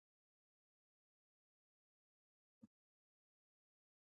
د کتاب اصلي موخه پوهاوی دی.